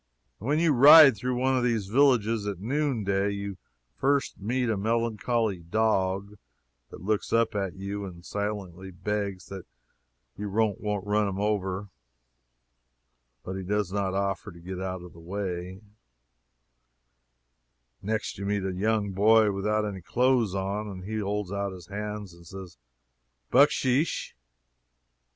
When you ride through one of these villages at noon day, you first meet a melancholy dog, that looks up at you and silently begs that you won't run over him, but he does not offer to get out of the way; next you meet a young boy without any clothes on, and he holds out his hand and says "Bucksheesh!"